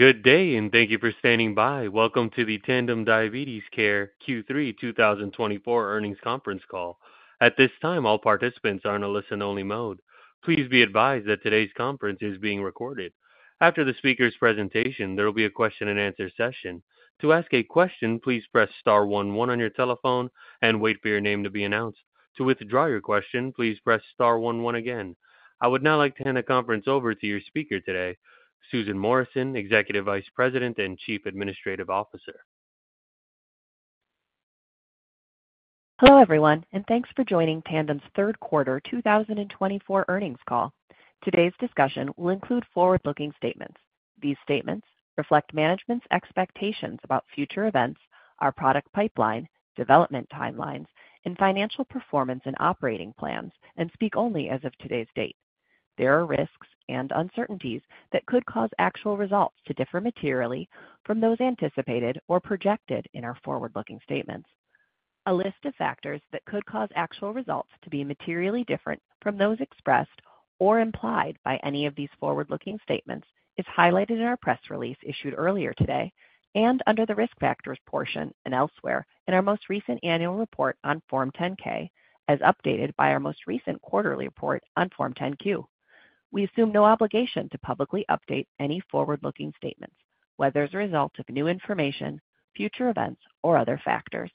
Good day, and thank you for standing by. Welcome to the Tandem Diabetes Care Q3 2024 earnings conference call. At this time, all participants are in a listen-only mode. Please be advised that today's conference is being recorded. After the speaker's presentation, there will be a question-and-answer session. To ask a question, please press star 11 on your telephone and wait for your name to be announced. To withdraw your question, please press star 11 again. I would now like to hand the conference over to your speaker today, Susan Morrison, Executive Vice President and Chief Administrative Officer. Hello everyone, and thanks for joining Tandem's third quarter 2024 earnings call. Today's discussion will include forward-looking statements. These statements reflect management's expectations about future events, our product pipeline, development timelines, and financial performance and operating plans, and speak only as of today's date. There are risks and uncertainties that could cause actual results to differ materially from those anticipated or projected in our forward-looking statements. A list of factors that could cause actual results to be materially different from those expressed or implied by any of these forward-looking statements is highlighted in our press release issued earlier today and under the risk factors portion and elsewhere in our most recent annual report on Form 10-K, as updated by our most recent quarterly report on Form 10-Q. We assume no obligation to publicly update any forward-looking statements, whether as a result of new information, future events, or other factors.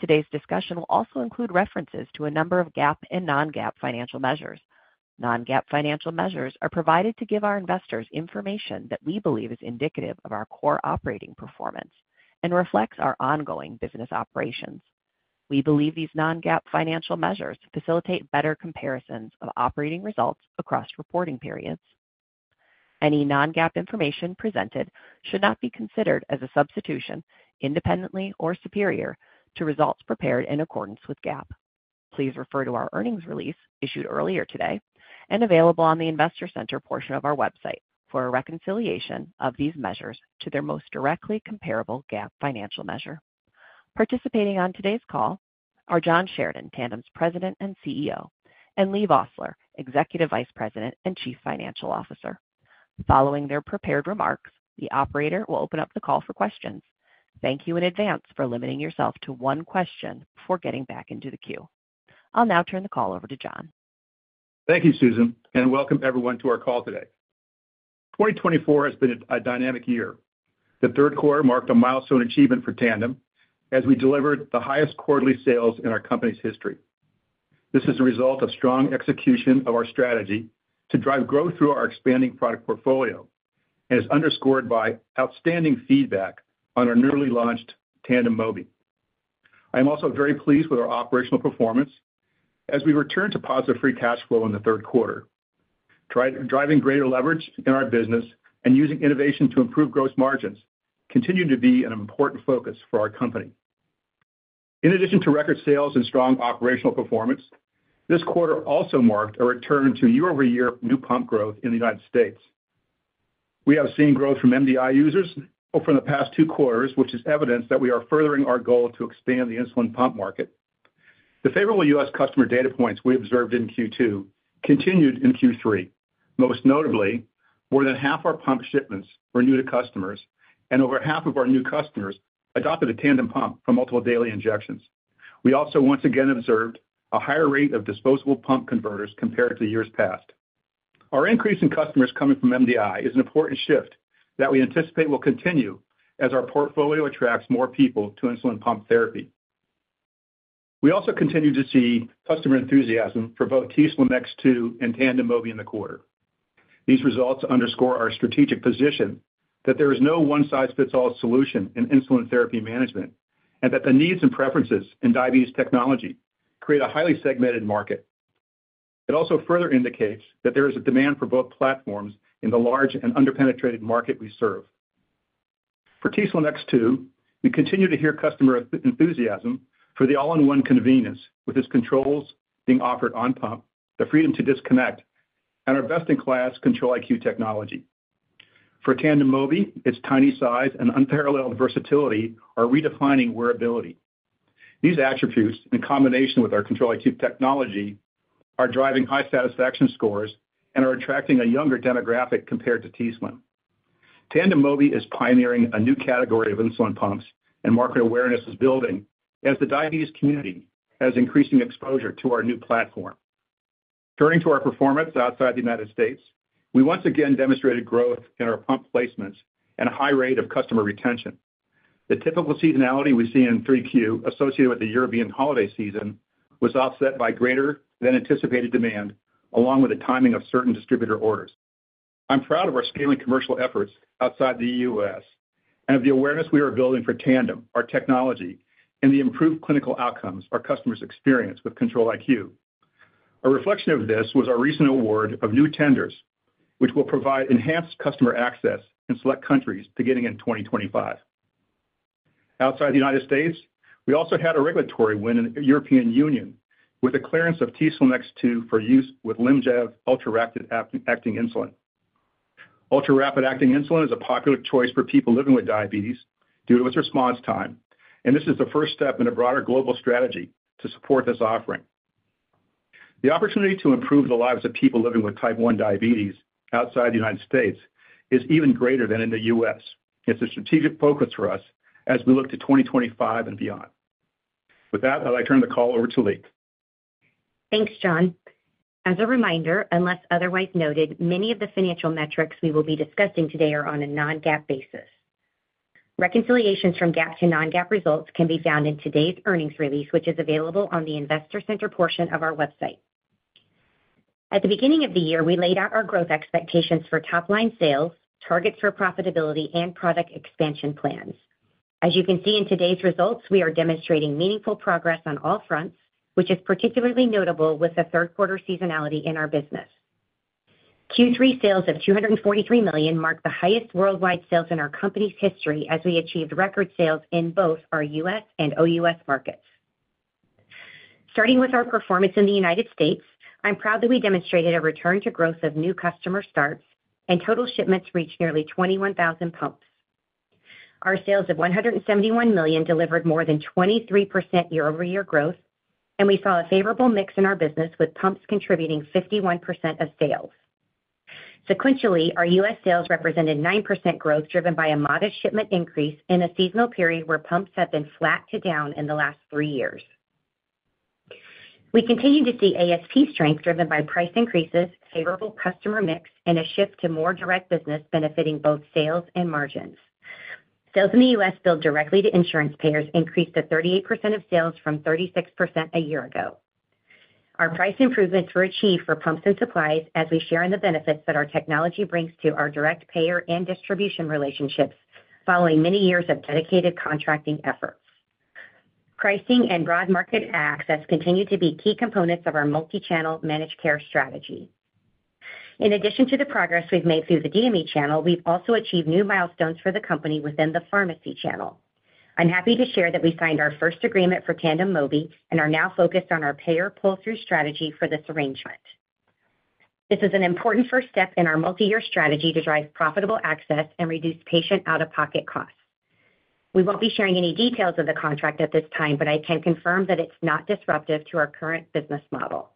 Today's discussion will also include references to a number of GAAP and non-GAAP financial measures. Non-GAAP financial measures are provided to give our investors information that we believe is indicative of our core operating performance and reflects our ongoing business operations. We believe these non-GAAP financial measures facilitate better comparisons of operating results across reporting periods. Any non-GAAP information presented should not be considered as a substitution, independently or superior, to results prepared in accordance with GAAP. Please refer to our earnings release issued earlier today and available on the Investor Center portion of our website for a reconciliation of these measures to their most directly comparable GAAP financial measure. Participating on today's call are John Sheridan, Tandem's President and CEO, and Leigh Vosseller, Executive Vice President and Chief Financial Officer. Following their prepared remarks, the operator will open up the call for questions. Thank you in advance for limiting yourself to one question before getting back into the queue. I'll now turn the call over to John. Thank you, Susan, and welcome everyone to our call today. 2024 has been a dynamic year. The third quarter marked a milestone achievement for Tandem as we delivered the highest quarterly sales in our company's history. This is a result of strong execution of our strategy to drive growth through our expanding product portfolio and is underscored by outstanding feedback on our newly launched Tandem Mobi. I am also very pleased with our operational performance as we returned to positive free cash flow in the third quarter. Driving greater leverage in our business and using innovation to improve gross margins continue to be an important focus for our company. In addition to record sales and strong operational performance, this quarter also marked a return to year-over-year new pump growth in the United States. We have seen growth from MDI users over the past two quarters, which is evidence that we are furthering our goal to expand the insulin pump market. The favorable U.S. customer data points we observed in Q2 continued in Q3. Most notably, more than half our pump shipments were new to customers, and over half of our new customers adopted a Tandem pump for multiple daily injections. We also once again observed a higher rate of disposable pump converters compared to years past. Our increase in customers coming from MDI is an important shift that we anticipate will continue as our portfolio attracts more people to insulin pump therapy. We also continue to see customer enthusiasm for both t:slim X2 and Tandem Mobi in the quarter. These results underscore our strategic position that there is no one-size-fits-all solution in insulin therapy management and that the needs and preferences in diabetes technology create a highly segmented market. It also further indicates that there is a demand for both platforms in the large and under-penetrated market we serve. For t:slim X2, we continue to hear customer enthusiasm for the all-in-one convenience, with its controls being offered on pump, the freedom to disconnect, and our best-in-class Control-IQ technology. For Tandem Mobi, its tiny size and unparalleled versatility are redefining wearability. These attributes, in combination with our Control-IQ technology, are driving high satisfaction scores and are attracting a younger demographic compared to t:slim. Tandem Mobi is pioneering a new category of insulin pumps, and market awareness is building as the diabetes community has increasing exposure to our new platform. Turning to our performance outside the United States, we once again demonstrated growth in our pump placements and a high rate of customer retention. The typical seasonality we see in 3Q, associated with the European holiday season, was offset by greater-than-anticipated demand, along with the timing of certain distributor orders. I'm proud of our scaling commercial efforts outside the U.S. and of the awareness we are building for Tandem, our technology, and the improved clinical outcomes our customers experience with Control-IQ. A reflection of this was our recent award of new tenders, which will provide enhanced customer access in select countries beginning in 2025. Outside the United States, we also had a regulatory win in the European Union with a clearance of t:slim X2 for use with Lyumjev ultra-rapid-acting insulin. Ultra-rapid acting insulin is a popular choice for people living with diabetes due to its response time, and this is the first step in a broader global strategy to support this offering. The opportunity to improve the lives of people living with type 1 diabetes outside the United States is even greater than in the U.S. It's a strategic focus for us as we look to 2025 and beyond. With that, I'd like to turn the call over to Leigh. Thanks, John. As a reminder, unless otherwise noted, many of the financial metrics we will be discussing today are on a non-GAAP basis. Reconciliations from GAAP to non-GAAP results can be found in today's earnings release, which is available on the Investor Center portion of our website. At the beginning of the year, we laid out our growth expectations for top-line sales, targets for profitability, and product expansion plans. As you can see in today's results, we are demonstrating meaningful progress on all fronts, which is particularly notable with the third quarter seasonality in our business. Q3 sales of $243 million marked the highest worldwide sales in our company's history as we achieved record sales in both our U.S. and OUS markets. Starting with our performance in the United States, I'm proud that we demonstrated a return to growth of new customer starts, and total shipments reached nearly 21,000 pumps. Our sales of $171 million delivered more than 23% year-over-year growth, and we saw a favorable mix in our business, with pumps contributing 51% of sales. Sequentially, our U.S. sales represented 9% growth driven by a modest shipment increase in a seasonal period where pumps have been flat to down in the last three years. We continue to see ASP strength driven by price increases, favorable customer mix, and a shift to more direct business benefiting both sales and margins. Sales in the U.S. billed directly to insurance payers increased to 38% of sales from 36% a year ago. Our price improvements were achieved for pumps and supplies as we share in the benefits that our technology brings to our direct payer and distribution relationships following many years of dedicated contracting efforts. Pricing and broad market access continue to be key components of our multi-channel managed care strategy. In addition to the progress we've made through the DME channel, we've also achieved new milestones for the company within the pharmacy channel. I'm happy to share that we signed our first agreement for Tandem Mobi and are now focused on our payer pull-through strategy for this arrangement. This is an important first step in our multi-year strategy to drive profitable access and reduce patient out-of-pocket costs. We won't be sharing any details of the contract at this time, but I can confirm that it's not disruptive to our current business model.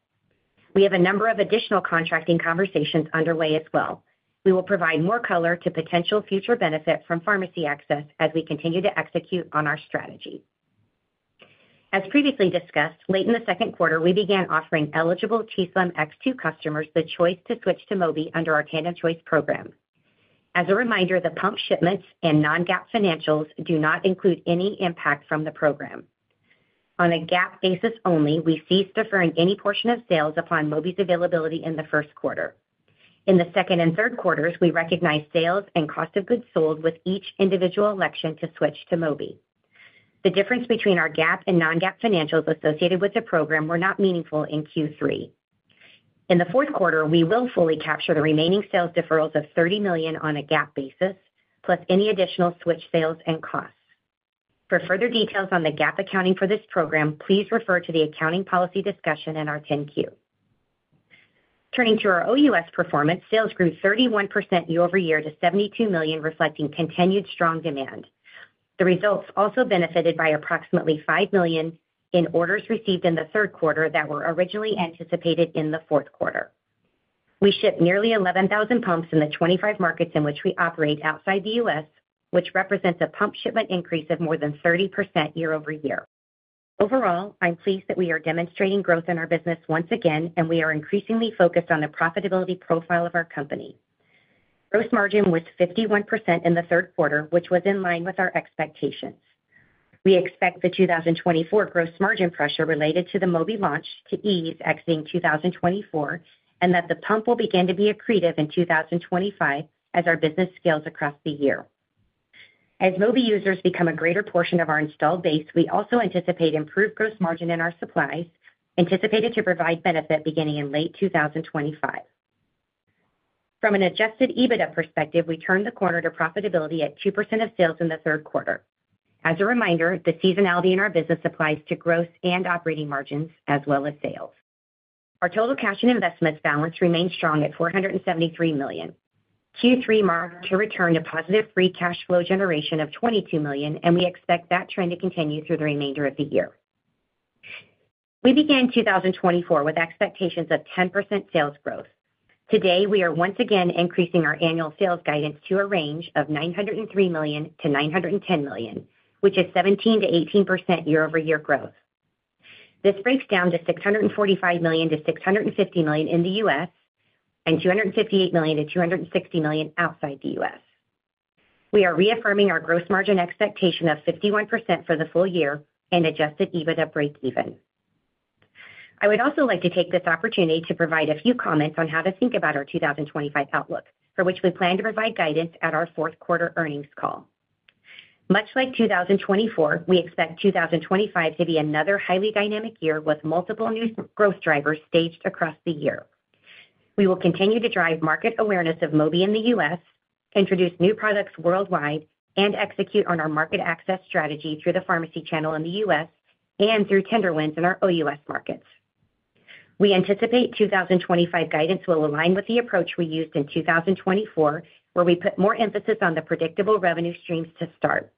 We have a number of additional contracting conversations underway as well. We will provide more color to potential future benefit from pharmacy access as we continue to execute on our strategy. As previously discussed, late in the second quarter, we began offering eligible t:slim X2 customers the choice to switch to Mobi under our Tandem Choice program. As a reminder, the pump shipments and non-GAAP financials do not include any impact from the program. On a GAAP basis only, we ceased deferring any portion of sales upon Mobi's availability in the first quarter. In the second and third quarters, we recognized sales and cost of goods sold with each individual election to switch to Mobi. The difference between our GAAP and non-GAAP financials associated with the program were not meaningful in Q3. In the fourth quarter, we will fully capture the remaining sales deferrals of $30 million on a GAAP basis, plus any additional switch sales and costs. For further details on the GAAP accounting for this program, please refer to the accounting policy discussion in our 10-Q. Turning to our OUS performance, sales grew 31% year-over-year to $72 million, reflecting continued strong demand. The results also benefited by approximately $5 million in orders received in the third quarter that were originally anticipated in the fourth quarter. We shipped nearly 11,000 pumps in the 25 markets in which we operate outside the U.S., which represents a pump shipment increase of more than 30% year-over-year. Overall, I'm pleased that we are demonstrating growth in our business once again, and we are increasingly focused on the profitability profile of our company. Gross margin was 51% in the third quarter, which was in line with our expectations. We expect the 2024 gross margin pressure related to the Mobi launch to ease exiting 2024 and that the pump will begin to be accretive in 2025 as our business scales across the year. As Mobi users become a greater portion of our installed base, we also anticipate improved gross margin in our supplies, anticipated to provide benefit beginning in late 2025. From an Adjusted EBITDA perspective, we turned the corner to profitability at 2% of sales in the third quarter. As a reminder, the seasonality in our business applies to gross and operating margins as well as sales. Our total cash and investments balance remained strong at $473 million. Q3 marked a return to positive free cash flow generation of $22 million, and we expect that trend to continue through the remainder of the year. We began 2024 with expectations of 10% sales growth. Today, we are once again increasing our annual sales guidance to a range of $903 million-$910 million, which is 17%-18% year-over-year growth. This breaks down to $645 million-$650 million in the U.S. and $258 million-$260 million outside the U.S. We are reaffirming our gross margin expectation of 51% for the full year and Adjusted EBITDA breakeven. I would also like to take this opportunity to provide a few comments on how to think about our 2025 outlook, for which we plan to provide guidance at our fourth quarter earnings call. Much like 2024, we expect 2025 to be another highly dynamic year with multiple new growth drivers staged across the year. We will continue to drive market awareness of Mobi in the U.S., introduce new products worldwide, and execute on our market access strategy through the pharmacy channel in the U.S. and through tender wins in our OUS markets. We anticipate 2025 guidance will align with the approach we used in 2024, where we put more emphasis on the predictable revenue streams to start.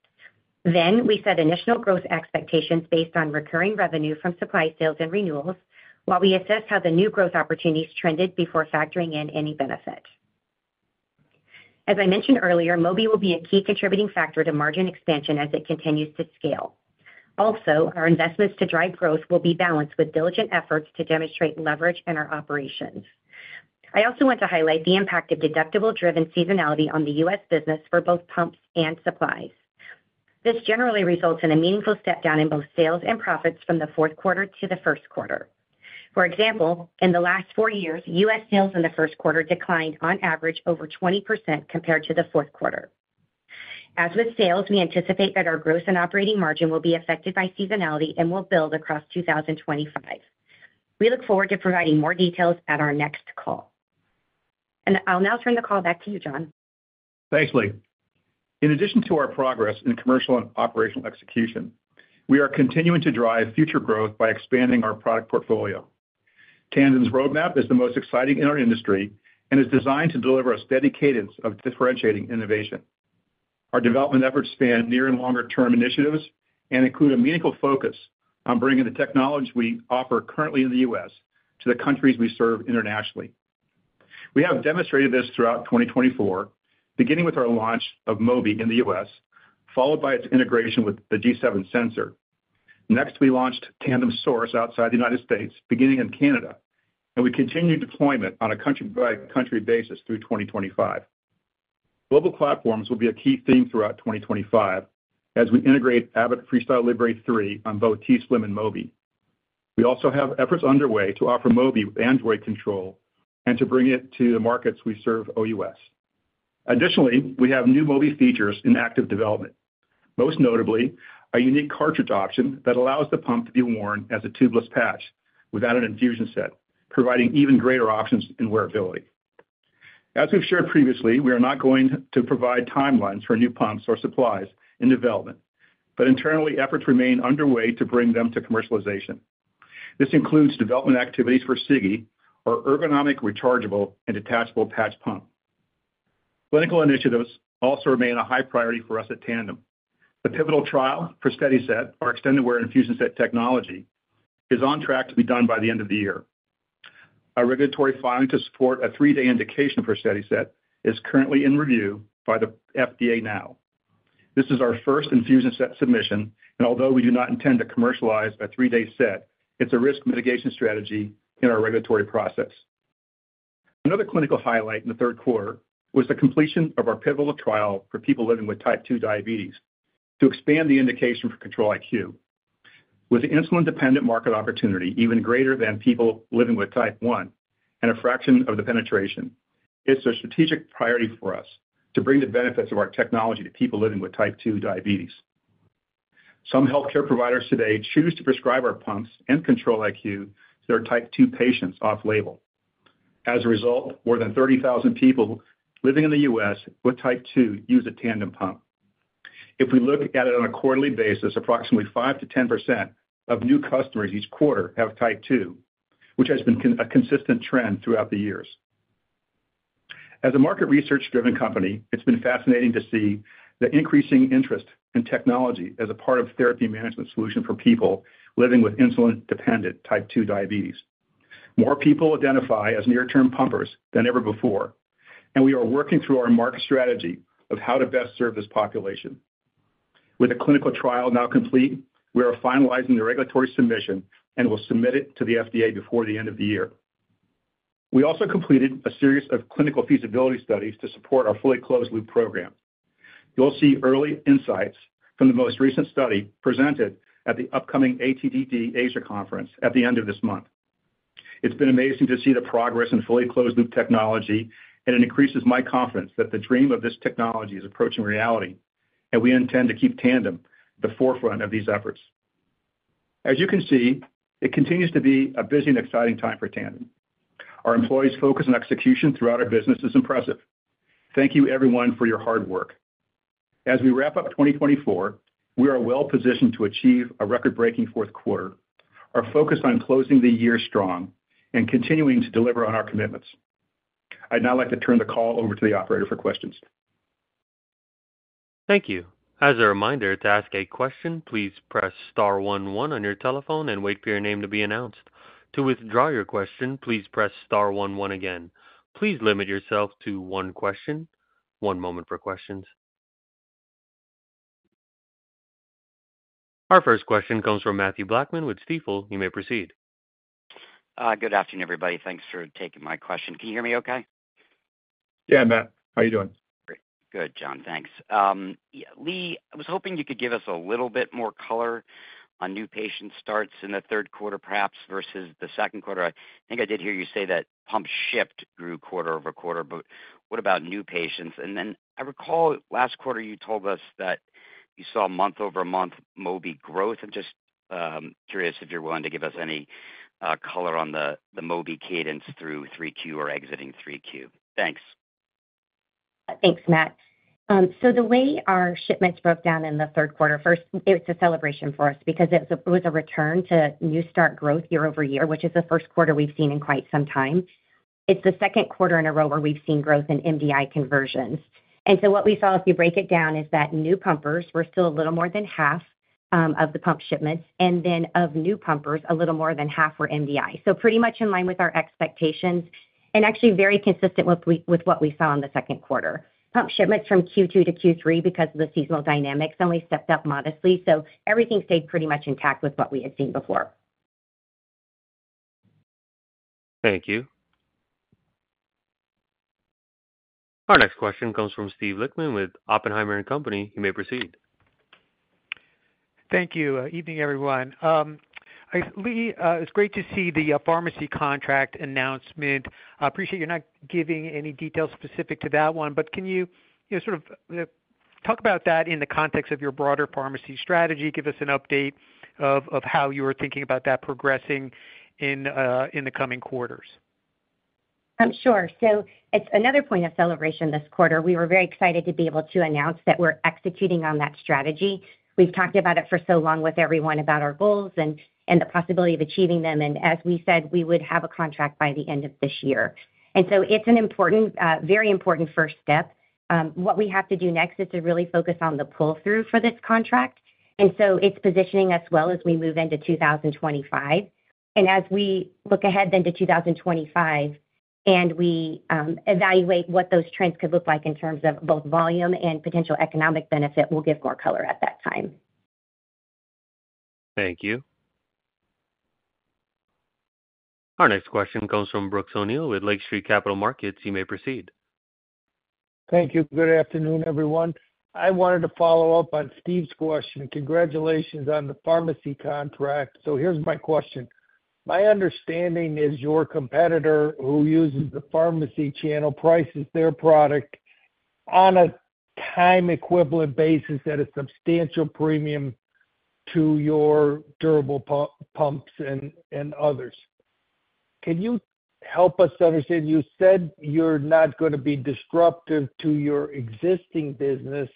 We set additional growth expectations based on recurring revenue from supply sales and renewals, while we assess how the new growth opportunities trended before factoring in any benefit. As I mentioned earlier, Mobi will be a key contributing factor to margin expansion as it continues to scale. Also, our investments to drive growth will be balanced with diligent efforts to demonstrate leverage in our operations. I also want to highlight the impact of deductible-driven seasonality on the U.S. business for both pumps and supplies. This generally results in a meaningful step down in both sales and profits from the fourth quarter to the first quarter. For example, in the last four years, U.S. sales in the first quarter declined on average over 20% compared to the fourth quarter. As with sales, we anticipate that our gross and operating margin will be affected by seasonality and will build across 2025. We look forward to providing more details at our next call, and I'll now turn the call back to you, John. Thanks, Leigh. In addition to our progress in commercial and operational execution, we are continuing to drive future growth by expanding our product portfolio. Tandem's roadmap is the most exciting in our industry and is designed to deliver a steady cadence of differentiating innovation. Our development efforts span near and longer-term initiatives and include a meaningful focus on bringing the technologies we offer currently in the U.S. to the countries we serve internationally. We have demonstrated this throughout 2024, beginning with our launch of Mobi in the U.S., followed by its integration with the G7 sensor. Next, we launched Tandem Source outside the United States, beginning in Canada, and we continue deployment on a country-by-country basis through 2025. Global platforms will be a key theme throughout 2025 as we integrate Abbott FreeStyle Libre 3 on both t:slim and Mobi. We also have efforts underway to offer Mobi with Android control and to bring it to the markets we serve OUS. Additionally, we have new Mobi features in active development, most notably a unique cartridge option that allows the pump to be worn as a tubeless patch without an infusion set, providing even greater options in wearability. As we've shared previously, we are not going to provide timelines for new pumps or supplies in development, but internally, efforts remain underway to bring them to commercialization. This includes development activities for Sigi, our ergonomic, rechargeable, and detachable patch pump. Clinical initiatives also remain a high priority for us at Tandem. The pivotal trial for SteadiSet, our extended wear infusion set technology, is on track to be done by the end of the year. Our regulatory filing to support a three-day indication for SteadiSet is currently in review by the FDA now. This is our first infusion set submission, and although we do not intend to commercialize a three-day set, it's a risk mitigation strategy in our regulatory process. Another clinical highlight in the third quarter was the completion of our pivotal trial for people living with type 2 diabetes to expand the indication for Control-IQ. With the insulin-dependent market opportunity even greater than people living with type 1 and a fraction of the penetration, it's a strategic priority for us to bring the benefits of our technology to people living with type 2 diabetes. Some healthcare providers today choose to prescribe our pumps and Control-IQ to their type 2 patients off-label. As a result, more than 30,000 people living in the U.S. with type 2 use a Tandem pump. If we look at it on a quarterly basis, approximately 5%-10% of new customers each quarter have type 2, which has been a consistent trend throughout the years. As a market research-driven company, it's been fascinating to see the increasing interest in technology as a part of therapy management solutions for people living with insulin-dependent type 2 diabetes. More people identify as near-term pumpers than ever before, and we are working through our market strategy of how to best serve this population. With the clinical trial now complete, we are finalizing the regulatory submission and will submit it to the FDA before the end of the year. We also completed a series of clinical feasibility studies to support our fully closed-loop program. You'll see early insights from the most recent study presented at the upcoming ATDD Asia Conference at the end of this month. It's been amazing to see the progress in fully closed-loop technology, and it increases my confidence that the dream of this technology is approaching reality, and we intend to keep Tandem at the forefront of these efforts. As you can see, it continues to be a busy and exciting time for Tandem. Our employees' focus on execution throughout our business is impressive. Thank you, everyone, for your hard work. As we wrap up 2024, we are well-positioned to achieve a record-breaking fourth quarter, our focus on closing the year strong, and continuing to deliver on our commitments. I'd now like to turn the call over to the operator for questions. Thank you. As a reminder, to ask a question, please press star 11 on your telephone and wait for your name to be announced. To withdraw your question, please press star 11 again. Please limit yourself to one question. One moment for questions. Our first question comes from Matthew Blackman with Stifel. You may proceed. Good afternoon, everybody. Thanks for taking my question. Can you hear me okay? Yeah, I'm back. How are you doing? Good, John. Thanks. Leigh, I was hoping you could give us a little bit more color on new patient starts in the third quarter, perhaps, versus the second quarter. I think I did hear you say that pump shift grew quarter over quarter, but what about new patients? And then I recall last quarter you told us that you saw month-over-month Mobi growth. I'm just curious if you're willing to give us any color on the Mobi cadence through 3Q or exiting 3Q. Thanks. Thanks, Matt. So the way our shipments broke down in the third quarter, first, it was a celebration for us because it was a return to new start growth year-over-year, which is the first quarter we've seen in quite some time. It's the second quarter in a row where we've seen growth in MDI conversions. And so what we saw, if you break it down, is that new pumpers were still a little more than half of the pump shipments, and then of new pumpers, a little more than half were MDI. So pretty much in line with our expectations and actually very consistent with what we saw in the second quarter. Pump shipments from Q2 to Q3, because of the seasonal dynamics, only stepped up modestly, so everything stayed pretty much intact with what we had seen before. Thank you. Our next question comes from Steve Lichtman with Oppenheimer & Co. You may proceed. Thank you. Evening, everyone. Leigh, it's great to see the pharmacy contract announcement. I appreciate you're not giving any details specific to that one, but can you sort of talk about that in the context of your broader pharmacy strategy? Give us an update of how you are thinking about that progressing in the coming quarters. Sure. So it's another point of celebration this quarter. We were very excited to be able to announce that we're executing on that strategy. We've talked about it for so long with everyone about our goals and the possibility of achieving them. And as we said, we would have a contract by the end of this year. And so it's an important, very important first step. What we have to do next is to really focus on the pull-through for this contract. And so it's positioning as well as we move into 2025. And as we look ahead then to 2025 and we evaluate what those trends could look like in terms of both volume and potential economic benefit, we'll give more color at that time. Thank you. Our next question comes from Brooks O'Neill with Lake Street Capital Markets. You may proceed. Thank you. Good afternoon, everyone. I wanted to follow up on Steve's question. Congratulations on the pharmacy contract. So here's my question. My understanding is your competitor who uses the pharmacy channel prices their product on a time-equivalent basis at a substantial premium to your durable pumps and others. Can you help us understand? You said you're not going to be disruptive to your existing business,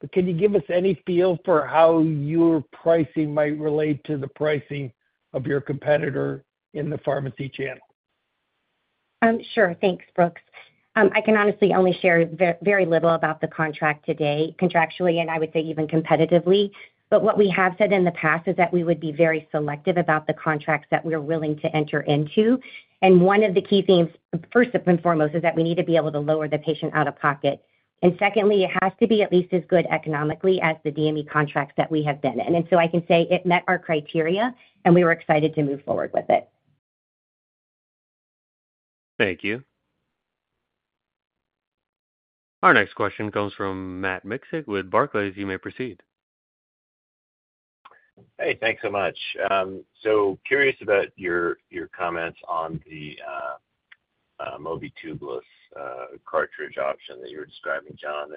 but can you give us any feel for how your pricing might relate to the pricing of your competitor in the pharmacy channel? Sure. Thanks, Brooks. I can honestly only share very little about the contract today, contractually, and I would say even competitively. But what we have said in the past is that we would be very selective about the contracts that we're willing to enter into, and one of the key themes, first and foremost, is that we need to be able to lower the patient out of pocket, and secondly, it has to be at least as good economically as the DME contracts that we have been in, and so I can say it met our criteria, and we were excited to move forward with it. Thank you. Our next question comes from Matt Miksic with Barclays. You may proceed. Hey, thanks so much. So curious about your comments on the Mobi tubeless cartridge option that you were describing, John.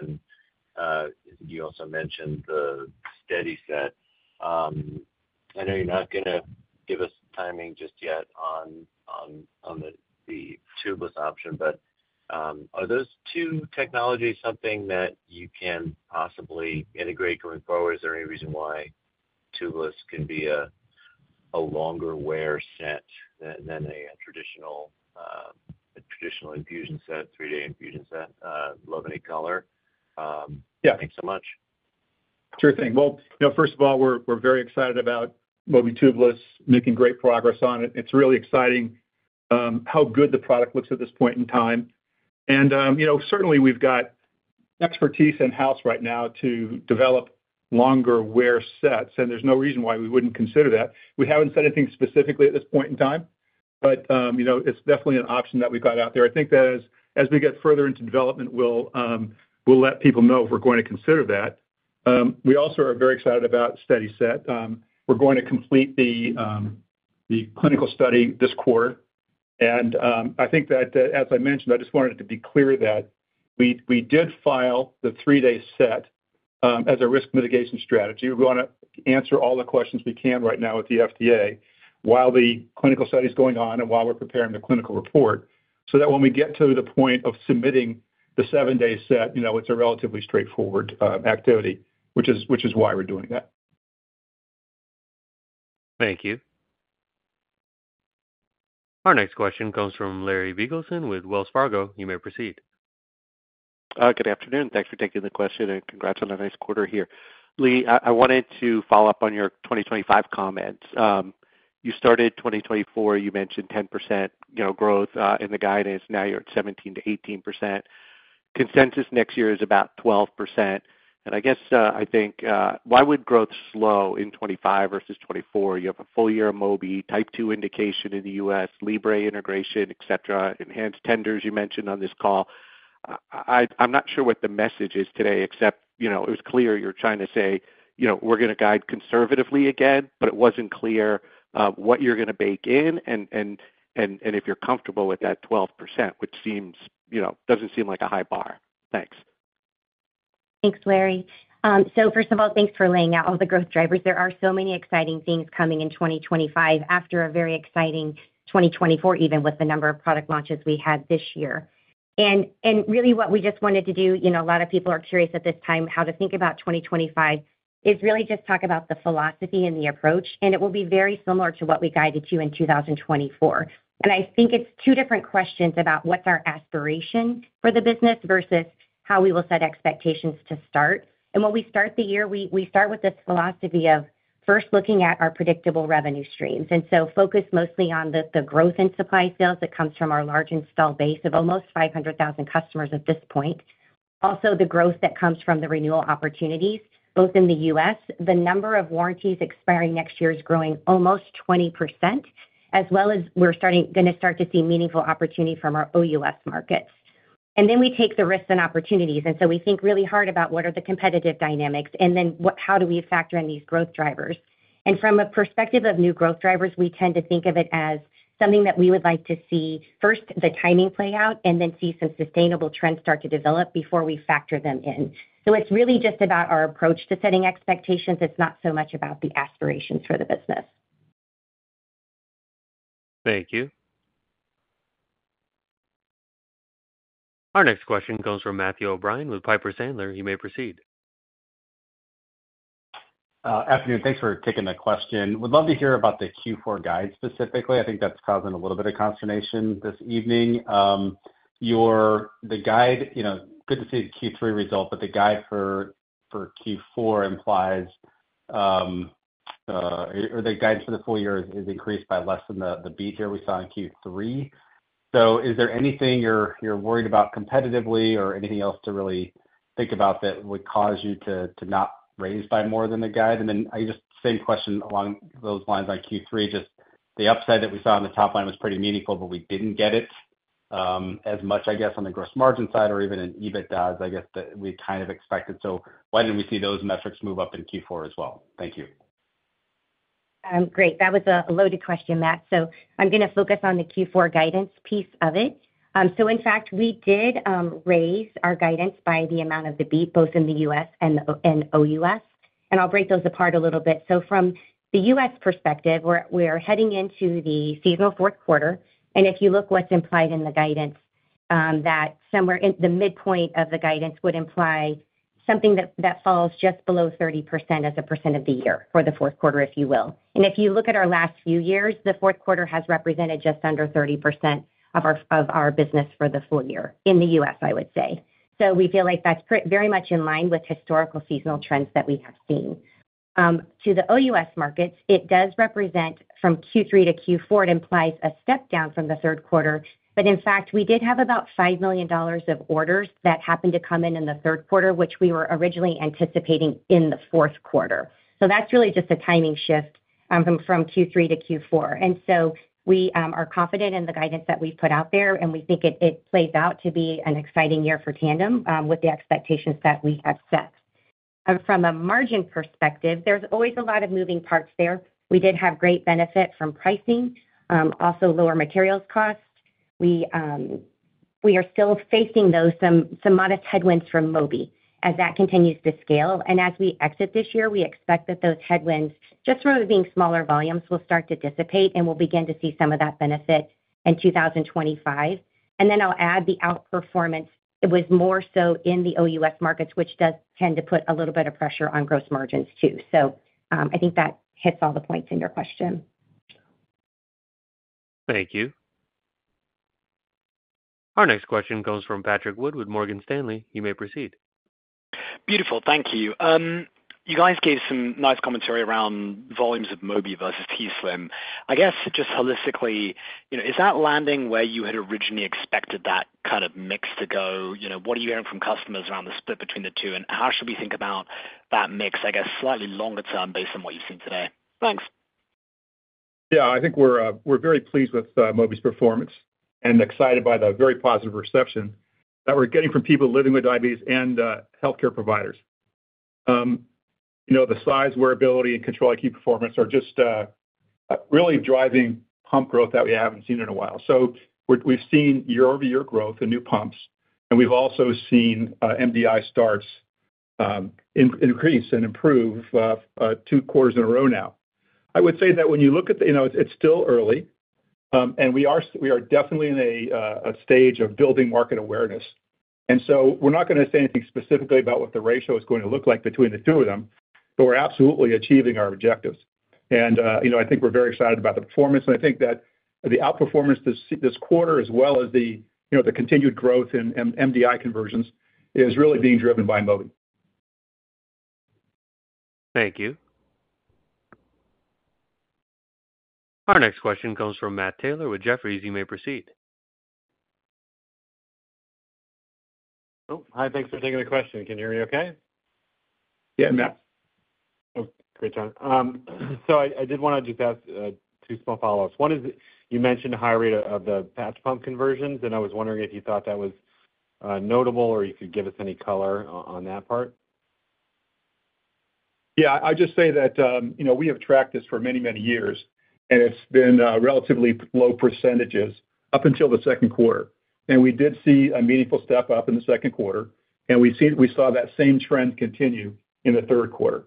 And you also mentioned the SteadiSet. I know you're not going to give us timing just yet on the tubeless option, but are those two technologies something that you can possibly integrate going forward? Is there any reason why tubeless can be a longer wear set than a traditional infusion set, three-day infusion set, love any color? Yeah. Thanks so much. Sure thing. First of all, we're very excited about Mobi tubeless, making great progress on it. It's really exciting how good the product looks at this point in time, and certainly we've got expertise in-house right now to develop longer wear sets, and there's no reason why we wouldn't consider that. We haven't said anything specifically at this point in time, but it's definitely an option that we've got out there. I think that as we get further into development, we'll let people know if we're going to consider that. We also are very excited about SteadiSet. We're going to complete the clinical study this quarter, and I think that, as I mentioned, I just wanted to be clear that we did file the three-day set as a risk mitigation strategy. We want to answer all the questions we can right now with the FDA while the clinical study is going on and while we're preparing the clinical report, so that when we get to the point of submitting the seven-day set, it's a relatively straightforward activity, which is why we're doing that. Thank you. Our next question comes from Larry Biegelsen with Wells Fargo. You may proceed. Good afternoon. Thanks for taking the question, and congrats on a nice quarter here. Leigh, I wanted to follow up on your 2025 comments. You started 2024. You mentioned 10% growth in the guidance. Now you're at 17%-18%. Consensus next year is about 12%. And I guess I think, why would growth slow in 2025 versus 2024? You have a full-year Mobi, type 2 indication in the U.S., Libre integration, etc., enhanced tenders you mentioned on this call. I'm not sure what the message is today, except it was clear you're trying to say we're going to guide conservatively again, but it wasn't clear what you're going to bake in and if you're comfortable with that 12%, which doesn't seem like a high bar. Thanks. Thanks, Larry. So first of all, thanks for laying out all the growth drivers. There are so many exciting things coming in 2025 after a very exciting 2024, even with the number of product launches we had this year. And really, what we just wanted to do, a lot of people are curious at this time how to think about 2025, is really just talk about the philosophy and the approach, and it will be very similar to what we guided you in 2024. And I think it's two different questions about what's our aspiration for the business versus how we will set expectations to start. And when we start the year, we start with this philosophy of first looking at our predictable revenue streams. And so focus mostly on the growth in supply sales that comes from our large install base of almost 500,000 customers at this point. Also, the growth that comes from the renewal opportunities, both in the U.S., the number of warranties expiring next year is growing almost 20%, as well as we're going to start to see meaningful opportunity from our OUS markets. And then we take the risks and opportunities. And so we think really hard about what are the competitive dynamics, and then how do we factor in these growth drivers. And from a perspective of new growth drivers, we tend to think of it as something that we would like to see first, the timing play out, and then see some sustainable trends start to develop before we factor them in. So it's really just about our approach to setting expectations. It's not so much about the aspirations for the business. Thank you. Our next question comes from Matthew O'Brien with Piper Sandler. You may proceed. Afternoon. Thanks for taking the question. Would love to hear about the Q4 guide specifically. I think that's causing a little bit of consternation this evening. The guide, good to see the Q3 result, but the guide for Q4 implies, or the guide for the full year is increased by less than the beat here we saw in Q3. So is there anything you're worried about competitively or anything else to really think about that would cause you to not raise by more than the guide? And then I just same question along those lines on Q3, just the upside that we saw on the top line was pretty meaningful, but we didn't get it as much, I guess, on the gross margin side or even in EBITDA, I guess, that we kind of expected. So why didn't we see those metrics move up in Q4 as well? Thank you. Great. That was a loaded question, Matt, so I'm going to focus on the Q4 guidance piece of it, so in fact, we did raise our guidance by the amount of the beat, both in the U.S. and OUS, and I'll break those apart a little bit, so from the U.S. perspective, we're heading into the seasonal fourth quarter, and if you look what's implied in the guidance, that somewhere in the midpoint of the guidance would imply something that falls just below 30% as a percent of the year for the fourth quarter, if you will, and if you look at our last few years, the fourth quarter has represented just under 30% of our business for the full year in the U.S., I would say, so we feel like that's very much in line with historical seasonal trends that we have seen. To the OUS markets, it does represent from Q3 to Q4; it implies a step down from the third quarter, but in fact, we did have about $5 million of orders that happened to come in in the third quarter, which we were originally anticipating in the fourth quarter. So that's really just a timing shift from Q3 to Q4, and so we are confident in the guidance that we've put out there, and we think it plays out to be an exciting year for Tandem with the expectations that we have set. From a margin perspective, there's always a lot of moving parts there. We did have great benefit from pricing, also lower materials costs. We are still facing those some modest headwinds from Mobi as that continues to scale. And as we exit this year, we expect that those headwinds, just from being smaller volumes, will start to dissipate, and we'll begin to see some of that benefit in 2025. And then I'll add the outperformance. It was more so in the OUS markets, which does tend to put a little bit of pressure on gross margins too. So I think that hits all the points in your question. Thank you. Our next question comes from Patrick Wood with Morgan Stanley. You may proceed. Beautiful. Thank you. You guys gave some nice commentary around volumes of Mobi versus t:slim. I guess just holistically, is that landing where you had originally expected that kind of mix to go? What are you hearing from customers around the split between the two, and how should we think about that mix, I guess, slightly longer term based on what you've seen today? Thanks. Yeah. I think we're very pleased with Mobi's performance and excited by the very positive reception that we're getting from people living with diabetes and healthcare providers. The size, wearability, and Control-IQ performance are just really driving pump growth that we haven't seen in a while. So we've seen year-over-year growth in new pumps, and we've also seen MDI starts increase and improve two quarters in a row now. I would say that when you look at it, it's still early, and we are definitely in a stage of building market awareness. And so we're not going to say anything specifically about what the ratio is going to look like between the two of them, but we're absolutely achieving our objectives. And I think we're very excited about the performance. I think that the outperformance this quarter, as well as the continued growth in MDI conversions, is really being driven by Mobi. Thank you. Our next question comes from Matt Taylor with Jefferies. You may proceed. Hi. Thanks for taking the question. Can you hear me okay? Yeah, Matt. Oh, great, John. So I did want to just ask two small follow-ups. One is you mentioned a high rate of the patch pump conversions, and I was wondering if you thought that was notable or you could give us any color on that part. Yeah. I just say that we have tracked this for many, many years, and it's been relatively low percentages up until the second quarter. And we did see a meaningful step up in the second quarter, and we saw that same trend continue in the third quarter.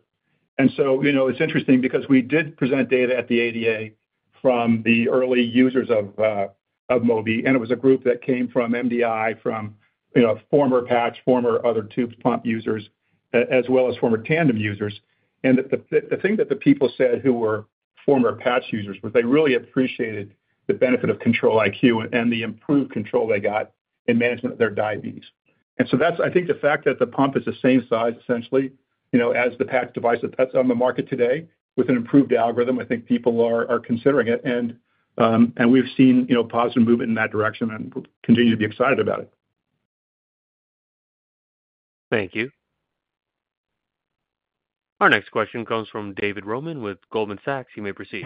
And so it's interesting because we did present data at the ADA from the early users of Mobi, and it was a group that came from MDI, from former patch, former other tube pump users, as well as former Tandem users. And the thing that the people said who were former patch users was they really appreciated the benefit of Control-IQ and the improved control they got in management of their diabetes. And so that's, I think, the fact that the pump is the same size, essentially, as the patch device that's on the market today with an improved algorithm. I think people are considering it, and we've seen positive movement in that direction and continue to be excited about it. Thank you. Our next question comes from David Roman with Goldman Sachs. You may proceed.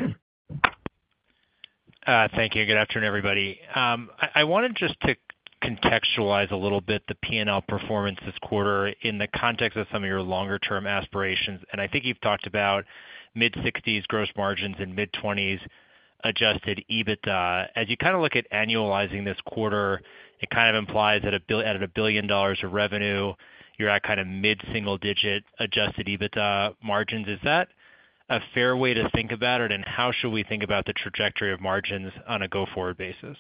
Thank you. Good afternoon, everybody. I wanted just to contextualize a little bit the P&L performance this quarter in the context of some of your longer-term aspirations, and I think you've talked about mid-60s gross margins and mid-20s adjusted EBITDA. As you kind of look at annualizing this quarter, it kind of implies that at $1 billion of revenue, you're at kind of mid-single-digit adjusted EBITDA margins. Is that a fair way to think about it, and how should we think about the trajectory of margins on a go-forward basis?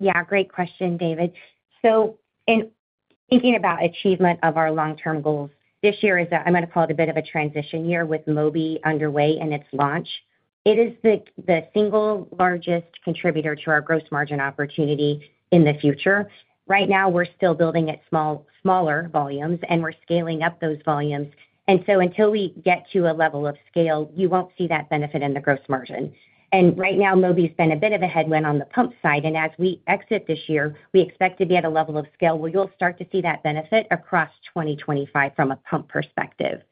Yeah. Great question, David, so in thinking about achievement of our long-term goals, this year is, I'm going to call it a bit of a transition year with Mobi underway and its launch. It is the single largest contributor to our gross margin opportunity in the future. Right now, we're still building at smaller volumes, and we're scaling up those volumes, and so until we get to a level of scale, you won't see that benefit in the gross margin, and right now, Mobi's been a bit of a headwind on the pump side, and as we exit this year, we expect to be at a level of scale where you'll start to see that benefit across 2025 from a pump perspective.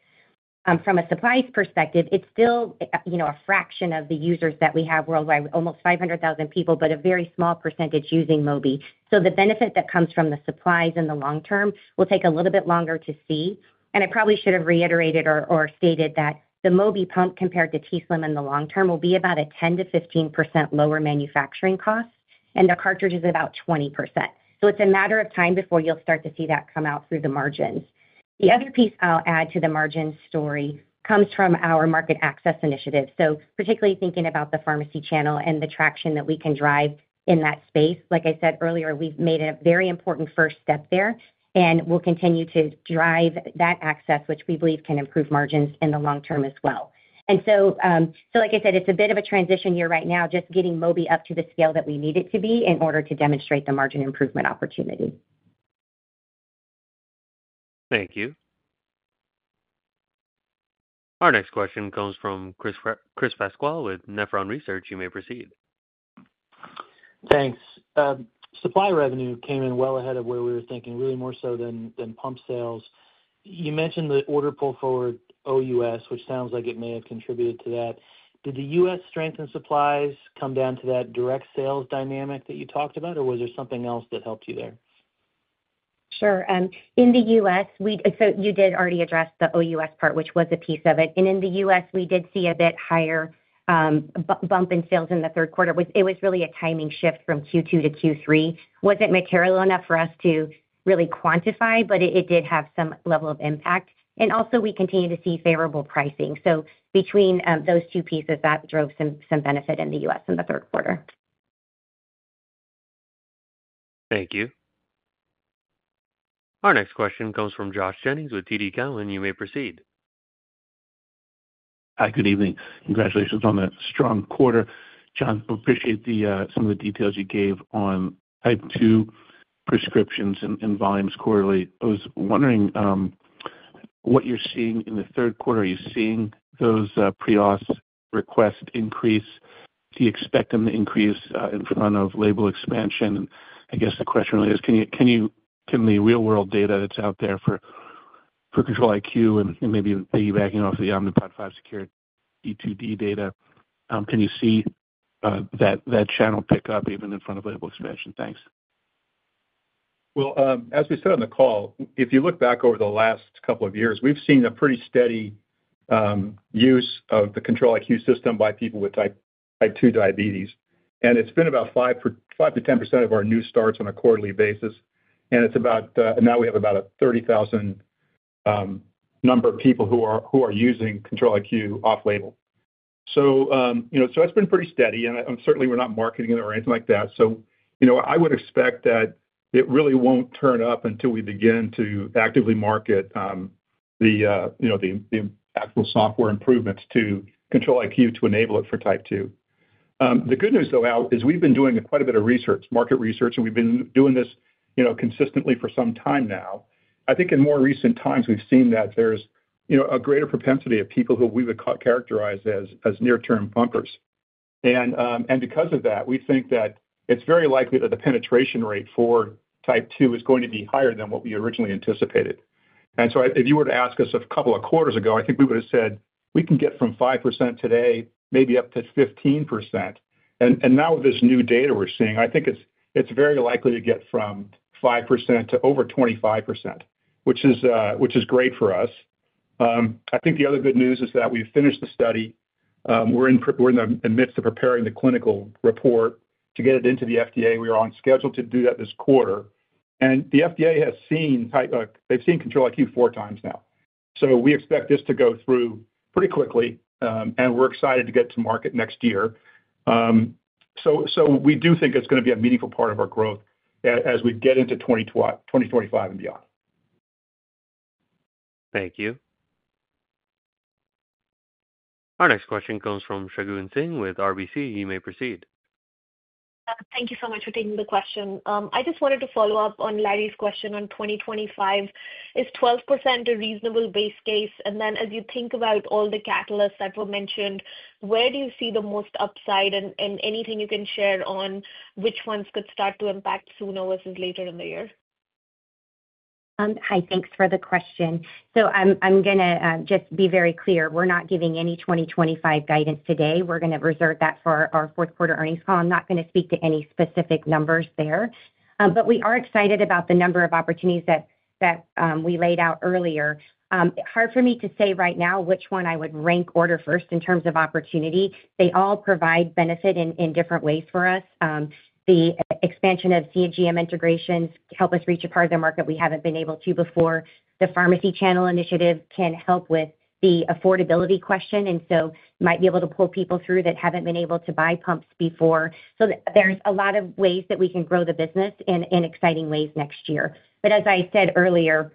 From a supplies perspective, it's still a fraction of the users that we have worldwide, almost 500,000 people, but a very small percentage using Mobi. So the benefit that comes from the supplies in the long term will take a little bit longer to see. And I probably should have reiterated or stated that the Mobi pump compared to t:slim in the long term will be about a 10%-15% lower manufacturing cost, and the cartridge is about 20%. So it's a matter of time before you'll start to see that come out through the margins. The other piece I'll add to the margin story comes from our market access initiative. So particularly thinking about the pharmacy channel and the traction that we can drive in that space. Like I said earlier, we've made a very important first step there, and we'll continue to drive that access, which we believe can improve margins in the long term as well. And so like I said, it's a bit of a transition year right now, just getting Mobi up to the scale that we need it to be in order to demonstrate the margin improvement opportunity. Thank you. Our next question comes from Chris Pasquale with Nephron Research. You may proceed. Thanks. Supply revenue came in well ahead of where we were thinking, really more so than pump sales. You mentioned the order pull forward OUS, which sounds like it may have contributed to that. Did the U.S. strength in supplies come down to that direct sales dynamic that you talked about, or was there something else that helped you there? Sure. In the U.S., so you did already address the OUS part, which was a piece of it, and in the U.S., we did see a bit higher bump in sales in the third quarter. It was really a timing shift from Q2 to Q3. Wasn't material enough for us to really quantify, but it did have some level of impact, and also, we continue to see favorable pricing, so between those two pieces, that drove some benefit in the U.S. in the third quarter. Thank you. Our next question comes from Josh Jennings with TD Cowen. You may proceed. Hi, good evening. Congratulations on a strong quarter. John, appreciate some of the details you gave on Type 2 prescriptions and volumes quarterly. I was wondering what you're seeing in the third quarter. Are you seeing those pre-auth requests increase? Do you expect them to increase in front of label expansion? I guess the question really is, can the real-world data that's out there for Control-IQ and maybe piggybacking off of the Omnipod 5 SECURE-T2D data, can you see that channel pick up even in front of label expansion? Thanks. As we said on the call, if you look back over the last couple of years, we've seen a pretty steady use of the Control-IQ system by people with Type 2 diabetes. It's been about 5%-10% of our new starts on a quarterly basis. Now we have about a 30,000 number of people who are using Control-IQ off-label. It's been pretty steady, and certainly, we're not marketing it or anything like that. I would expect that it really won't turn up until we begin to actively market the actual software improvements to Control-IQ to enable it for Type 2. The good news, though, is we've been doing quite a bit of research, market research, and we've been doing this consistently for some time now. I think in more recent times, we've seen that there's a greater propensity of people who we would characterize as near-term pumpers. And because of that, we think that it's very likely that the penetration rate for Type 2 is going to be higher than what we originally anticipated. And so if you were to ask us a couple of quarters ago, I think we would have said, "We can get from 5% today, maybe up to 15%." And now with this new data we're seeing, I think it's very likely to get from 5% to over 25%, which is great for us. I think the other good news is that we've finished the study. We're in the midst of preparing the clinical report to get it into the FDA. We are on schedule to do that this quarter. And the FDA has seen Control-IQ four times now. So we expect this to go through pretty quickly, and we're excited to get to market next year. So we do think it's going to be a meaningful part of our growth as we get into 2025 and beyond. Thank you. Our next question comes from Shagun Singh with RBC. You may proceed. Thank you so much for taking the question. I just wanted to follow up on Larry's question on 2025. Is 12% a reasonable base case? And then as you think about all the catalysts that were mentioned, where do you see the most upside? And anything you can share on which ones could start to impact sooner versus later in the year? Hi. Thanks for the question. So I'm going to just be very clear. We're not giving any 2025 guidance today. We're going to reserve that for our fourth quarter earnings call. I'm not going to speak to any specific numbers there. But we are excited about the number of opportunities that we laid out earlier. Hard for me to say right now which one I would rank order first in terms of opportunity. They all provide benefit in different ways for us. The expansion of CGM integrations help us reach a part of the market we haven't been able to before. The pharmacy channel initiative can help with the affordability question, and so might be able to pull people through that haven't been able to buy pumps before. So there's a lot of ways that we can grow the business in exciting ways next year. But as I said earlier,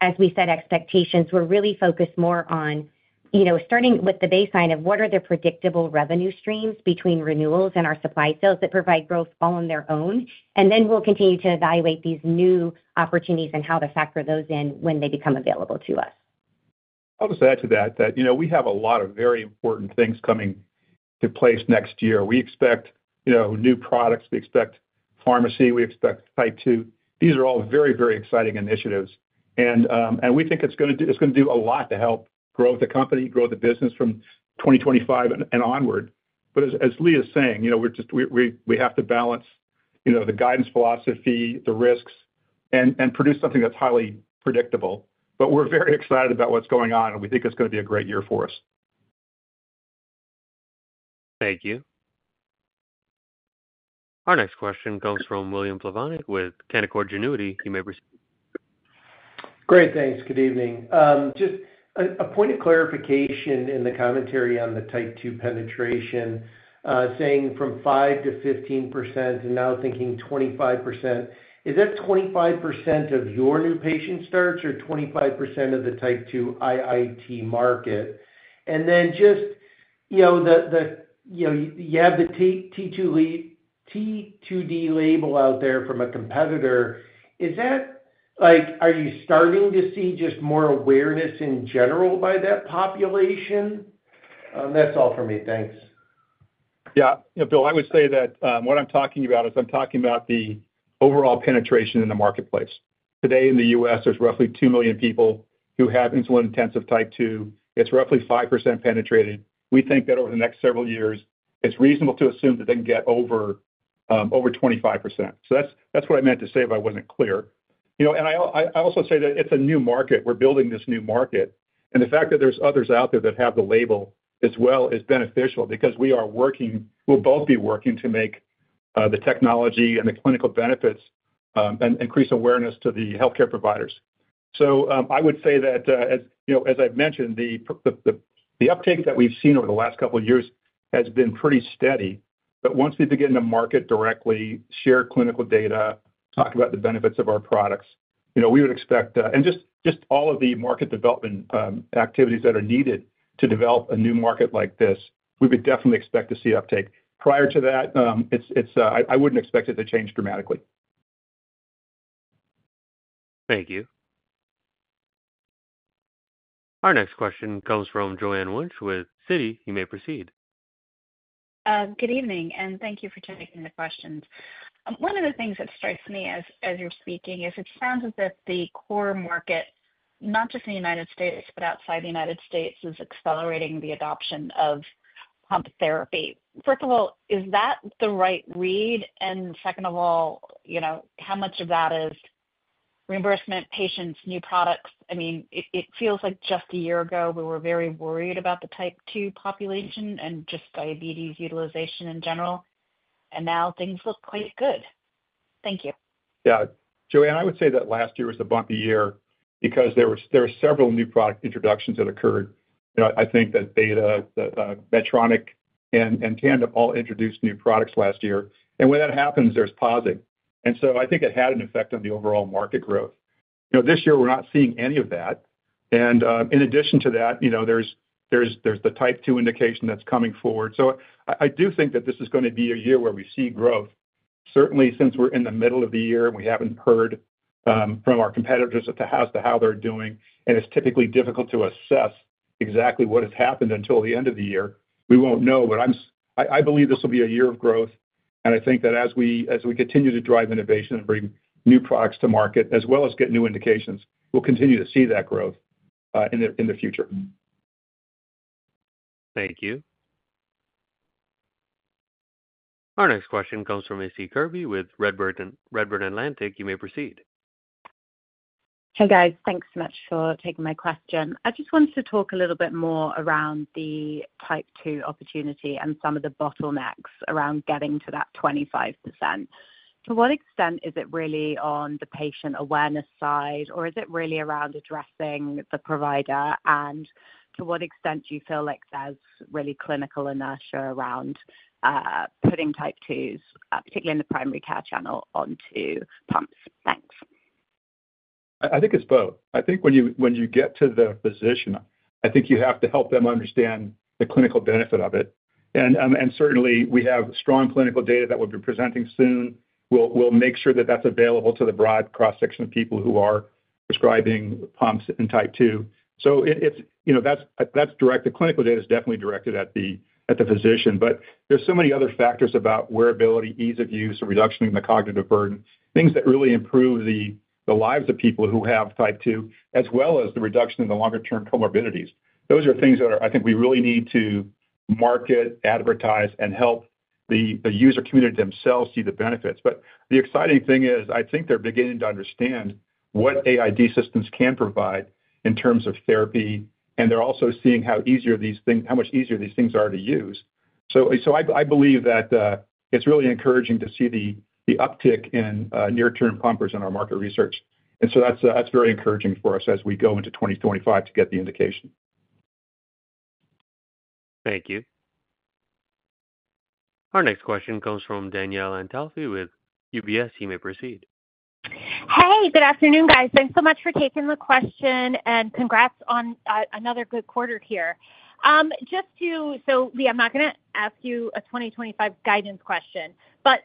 as we set expectations, we're really focused more on starting with the baseline of what are the predictable revenue streams between renewals and our supply sales that provide growth all on their own. And then we'll continue to evaluate these new opportunities and how to factor those in when they become available to us. I'll just add to that that we have a lot of very important things coming to place next year. We expect new products. We expect pharmacy. We expect type 2. These are all very, very exciting initiatives. And we think it's going to do a lot to help grow the company, grow the business from 2025 and onward. But as Leigh is saying, we have to balance the guidance philosophy, the risks, and produce something that's highly predictable. But we're very excited about what's going on, and we think it's going to be a great year for us. Thank you. Our next question comes from William Plovanic with Canaccord Genuity. You may proceed. Great. Thanks. Good evening. Just a point of clarification in the commentary on the type 2 penetration, saying from 5% to 15% and now thinking 25%. Is that 25% of your new patient starts or 25% of the type 2 MDI market? And then just, you have the T2D label out there from a competitor. Are you starting to see just more awareness in general by that population? That's all for me. Thanks. Yeah. Bill, I would say that what I'm talking about is I'm talking about the overall penetration in the marketplace. Today, in the U.S., there's roughly two million people who have insulin-intensive Type 2. It's roughly 5% penetrated. We think that over the next several years, it's reasonable to assume that they can get over 25%. So that's what I meant to say if I wasn't clear. And I also say that it's a new market. We're building this new market. And the fact that there's others out there that have the label as well is beneficial because we are working. We'll both be working to make the technology and the clinical benefits and increase awareness to the healthcare providers. So I would say that, as I've mentioned, the uptake that we've seen over the last couple of years has been pretty steady. Once we begin to market directly, share clinical data, talk about the benefits of our products, we would expect, and just all of the market development activities that are needed to develop a new market like this, we would definitely expect to see uptake. Prior to that, I wouldn't expect it to change dramatically. Thank you. Our next question comes from Joanne Wuensch with Citi. You may proceed. Good evening, and thank you for taking the questions. One of the things that strikes me as you're speaking is it sounds as if the core market, not just in the United States, but outside the United States, is accelerating the adoption of pump therapy. First of all, is that the right read? And second of all, how much of that is reimbursement, patients, new products? I mean, it feels like just a year ago, we were very worried about the type 2 population and just diabetes utilization in general. And now things look quite good. Thank you. Yeah. Joanne, I would say that last year was the bumpy year because there were several new product introductions that occurred. I think that Beta, Medtronic, and Tandem all introduced new products last year. And when that happens, there's pausing. And so I think it had an effect on the overall market growth. This year, we're not seeing any of that. And in addition to that, there's the Type 2 indication that's coming forward. So I do think that this is going to be a year where we see growth. Certainly, since we're in the middle of the year and we haven't heard from our competitors as to how they're doing, and it's typically difficult to assess exactly what has happened until the end of the year, we won't know. But I believe this will be a year of growth. I think that as we continue to drive innovation and bring new products to market, as well as get new indications, we'll continue to see that growth in the future. Thank you. Our next question comes from Issie Kirby with Redburn Atlantic. You may proceed. Hey, guys. Thanks so much for taking my question. I just wanted to talk a little bit more around the Type 2 opportunity and some of the bottlenecks around getting to that 25%. To what extent is it really on the patient awareness side, or is it really around addressing the provider? And to what extent do you feel like there's really clinical inertia around putting Type 2s, particularly in the primary care channel, onto pumps? Thanks. I think it's both. I think when you get to the physician, I think you have to help them understand the clinical benefit of it. And certainly, we have strong clinical data that we'll be presenting soon. We'll make sure that that's available to the broad cross-section of people who are prescribing pumps and type 2. So that's directed. Clinical data is definitely directed at the physician. But there's so many other factors about wearability, ease of use, reduction in the cognitive burden, things that really improve the lives of people who have type 2, as well as the reduction in the longer-term comorbidities. Those are things that I think we really need to market, advertise, and help the user community themselves see the benefits. But the exciting thing is I think they're beginning to understand what AID systems can provide in terms of therapy, and they're also seeing how much easier these things are to use. So I believe that it's really encouraging to see the uptick in new-to-pumpers in our market research. And so that's very encouraging for us as we go into 2025 to get the indication. Thank you. Our next question comes from Danielle Antalffy with UBS. You may proceed. Hey, good afternoon, guys. Thanks so much for taking the question, and congrats on another good quarter here. So Leigh, I'm not going to ask you a 2025 guidance question. But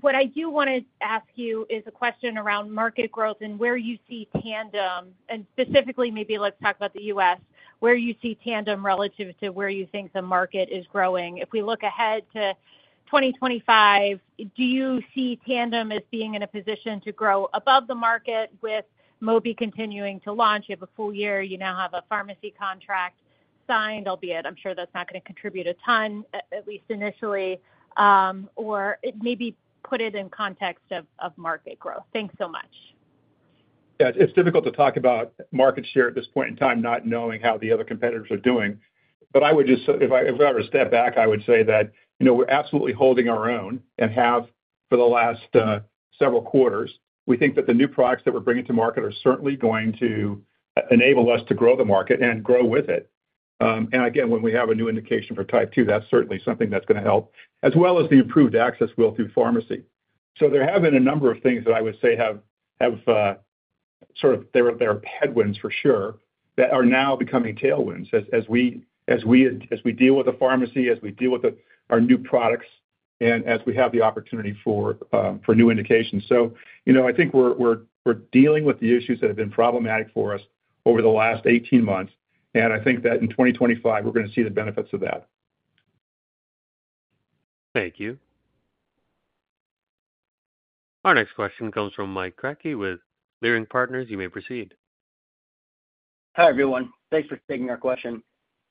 what I do want to ask you is a question around market growth and where you see Tandem. And specifically, maybe let's talk about the U.S., where you see Tandem relative to where you think the market is growing. If we look ahead to 2025, do you see Tandem as being in a position to grow above the market with Mobi continuing to launch? You have a full year. You now have a pharmacy contract signed, albeit I'm sure that's not going to contribute a ton, at least initially, or maybe put it in context of market growth. Thanks so much. Yeah. It's difficult to talk about market share at this point in time not knowing how the other competitors are doing. But if I were to step back, I would say that we're absolutely holding our own and have for the last several quarters. We think that the new products that we're bringing to market are certainly going to enable us to grow the market and grow with it. And again, when we have a new indication for Type 2, that's certainly something that's going to help, as well as the improved access through pharmacy. So there have been a number of things that I would say have sort of been headwinds for sure that are now becoming tailwinds as we deal with the pharmacy, as we deal with our new products, and as we have the opportunity for new indications. So I think we're dealing with the issues that have been problematic for us over the last 18 months. And I think that in 2025, we're going to see the benefits of that. Thank you. Our next question comes from Mike Kratky with Leerink Partners. You may proceed. Hi everyone. Thanks for taking our question.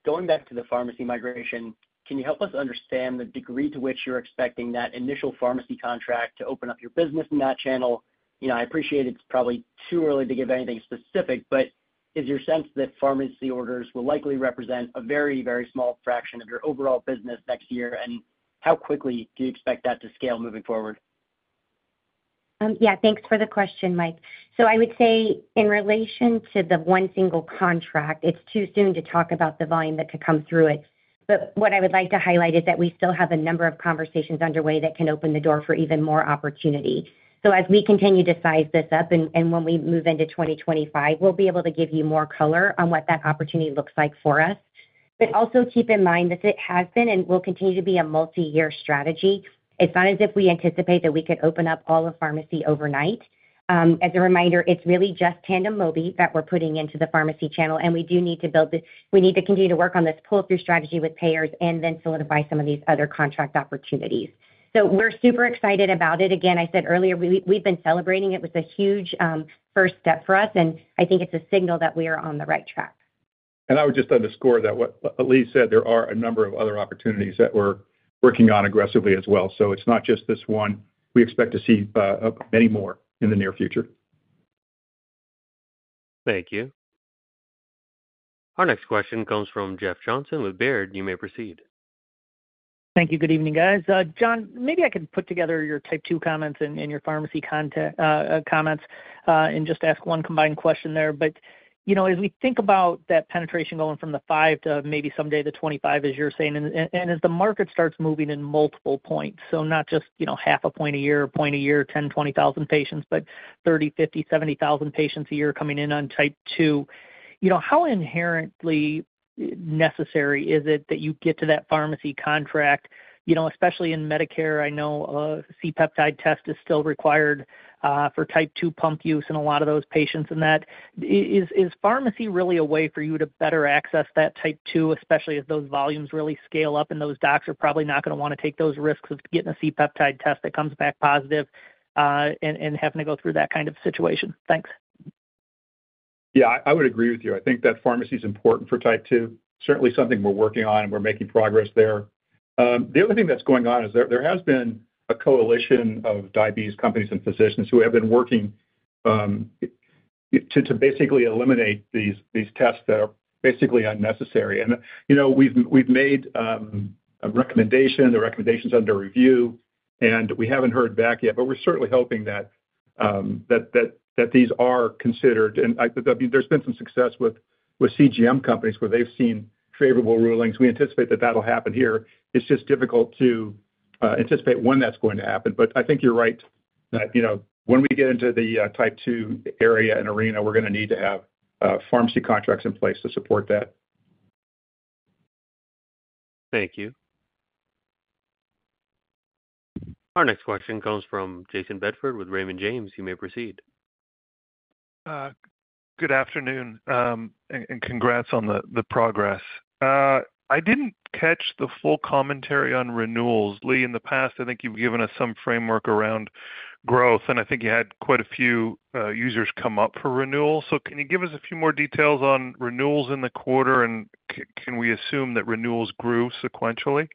Going back to the pharmacy migration, can you help us understand the degree to which you're expecting that initial pharmacy contract to open up your business in that channel? I appreciate it's probably too early to give anything specific, but is your sense that pharmacy orders will likely represent a very, very small fraction of your overall business next year? And how quickly do you expect that to scale moving forward? Yeah. Thanks for the question, Mike. So I would say in relation to the one single contract, it's too soon to talk about the volume that could come through it. But what I would like to highlight is that we still have a number of conversations underway that can open the door for even more opportunity. So as we continue to size this up and when we move into 2025, we'll be able to give you more color on what that opportunity looks like for us. But also keep in mind that it has been and will continue to be a multi-year strategy. It's not as if we anticipate that we could open up all of pharmacy overnight. As a reminder, it's really just Tandem Mobi that we're putting into the pharmacy channel. And we do need to build this. We need to continue to work on this pull-through strategy with payers and then solidify some of these other contract opportunities. So we're super excited about it. Again, I said earlier, we've been celebrating. It was a huge first step for us. And I think it's a signal that we are on the right track. And I would just underscore that what Leigh said, there are a number of other opportunities that we're working on aggressively as well. So it's not just this one. We expect to see many more in the near future. Thank you. Our next question comes from Jeff Johnson with Baird. You may proceed. Thank you. Good evening, guys. John, maybe I could put together your Type 2 comments and your pharmacy comments and just ask one combined question there. But as we think about that penetration going from the 5 to maybe someday the 25, as you're saying, and as the market starts moving in multiple points, so not just half a point a year, a point a year, 10,000 patients-20,000 patients, but 30,000, 50,000, 70,000 patients a year coming in on Type 2, how inherently necessary is it that you get to that pharmacy contract? Especially in Medicare, I know a C-peptide test is still required for Type 2 pump use in a lot of those patients. Is pharmacy really a way for you to better access that Type 2, especially as those volumes really scale up and those docs are probably not going to want to take those risks of getting a C-peptide test that comes back positive and having to go through that kind of situation? Thanks. Yeah. I would agree with you. I think that pharmacy is important for type 2. Certainly something we're working on, and we're making progress there. The other thing that's going on is there has been a coalition of diabetes companies and physicians who have been working to basically eliminate these tests that are basically unnecessary, and we've made a recommendation. The recommendation's under review, and we haven't heard back yet, but we're certainly hoping that these are considered, and there's been some success with CGM companies where they've seen favorable rulings. We anticipate that that'll happen here. It's just difficult to anticipate when that's going to happen, but I think you're right that when we get into the type 2 area and arena, we're going to need to have pharmacy contracts in place to support that. Thank you. Our next question comes from Jayson Bedford with Raymond James. You may proceed. Good afternoon, and congrats on the progress. I didn't catch the full commentary on renewals. Leigh, in the past, I think you've given us some framework around growth, and I think you had quite a few users come up for renewal, so can you give us a few more details on renewals in the quarter, and can we assume that renewals grew sequentially?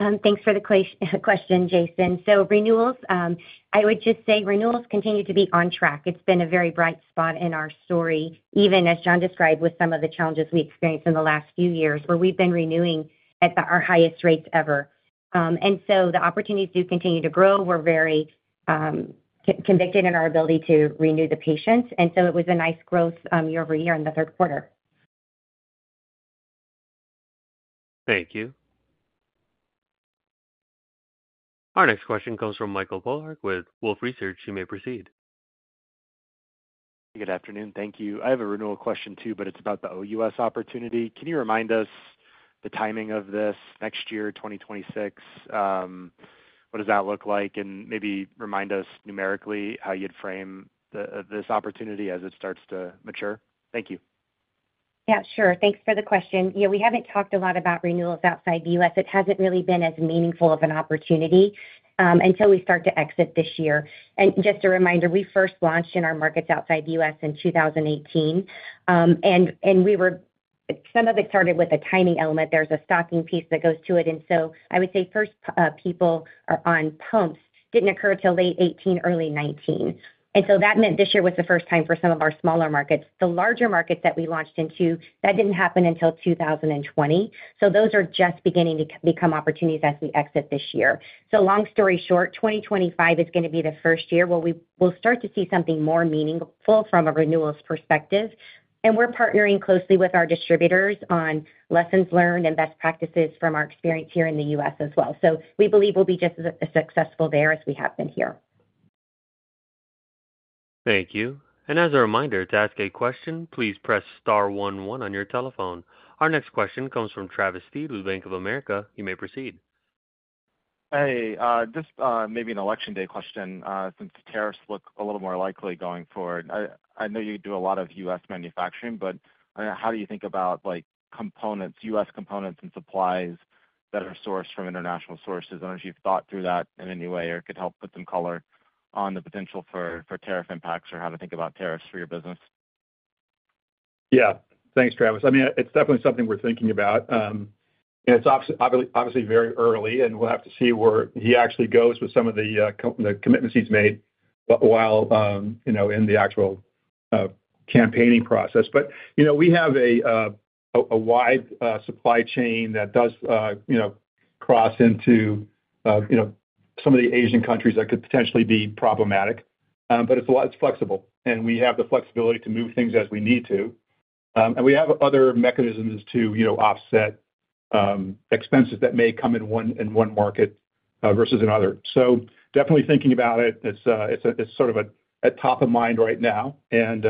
Thanks for the question, Jayson, so renewals, I would just say renewals continue to be on track. It's been a very bright spot in our story, even as John described with some of the challenges we experienced in the last few years where we've been renewing at our highest rates ever, and so the opportunities do continue to grow. We're very convicted in our ability to renew the patients, and so it was a nice growth year over year in the third quarter. Thank you. Our next question comes from Michael Polark with Wolfe Research. You may proceed. Good afternoon. Thank you. I have a renewal question too, but it's about the OUS opportunity. Can you remind us the timing of this next year, 2026? What does that look like? And maybe remind us numerically how you'd frame this opportunity as it starts to mature. Thank you. Yeah, sure. Thanks for the question. Yeah, we haven't talked a lot about renewals outside the U.S. It hasn't really been as meaningful of an opportunity until we start to exit this year. And just a reminder, we first launched in our markets outside the U.S. in 2018. And some of it started with a timing element. There's a stocking piece that goes to it. And so I would say first people are on pumps didn't occur until late 2018, early 2019. And so that meant this year was the first time for some of our smaller markets. The larger markets that we launched into, that didn't happen until 2020. So those are just beginning to become opportunities as we exit this year. So long story short, 2025 is going to be the first year where we will start to see something more meaningful from a renewals perspective. We're partnering closely with our distributors on lessons learned and best practices from our experience here in the U.S. as well. We believe we'll be just as successful there as we have been here. Thank you. And as a reminder, to ask a question, please press star 11 on your telephone. Our next question comes from Travis Steed with Bank of America. You may proceed. Hey, just maybe an election day question. Since the tariffs look a little more likely going forward, I know you do a lot of U.S. manufacturing, but how do you think about U.S. components and supplies that are sourced from international sources? I don't know if you've thought through that in any way or could help put some color on the potential for tariff impacts or how to think about tariffs for your business. Yeah. Thanks, Travis. I mean, it's definitely something we're thinking about. And it's obviously very early, and we'll have to see where he actually goes with some of the commitments he's made while in the actual campaigning process. But we have a wide supply chain that does cross into some of the Asian countries that could potentially be problematic. But it's flexible, and we have the flexibility to move things as we need to. And we have other mechanisms to offset expenses that may come in one market versus another. So definitely thinking about it. It's sort of at top of mind right now. And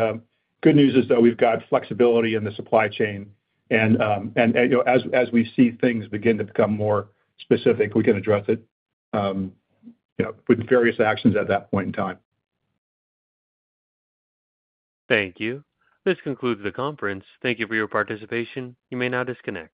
good news is that we've got flexibility in the supply chain. And as we see things begin to become more specific, we can address it with various actions at that point in time. Thank you. This concludes the conference. Thank you for your participation. You may now disconnect.